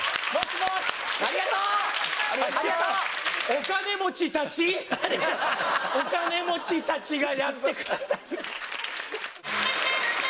お金持ちたち、お金持ちたちがやってください。